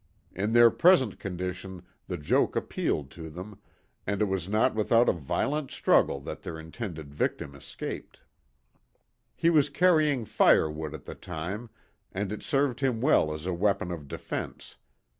In their present condition the joke appealed to them, and it was not without a violent struggle that their intended victim escaped. He was carrying fire wood at the time, and it served him well as a weapon of defense.